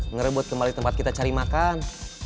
ngerebut kembali tempat kita cari makan